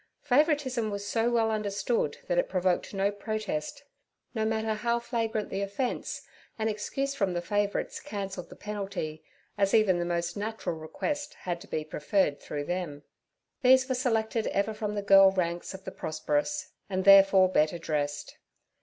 Favouritism was so well understood that it provoked no protest: no matter how flagrant the offence, an excuse from the favourites cancelled the penalty, as even the most natural request had to be preferred through them. These were selected ever from the girl ranks of the prosperous, and therefore better dressed.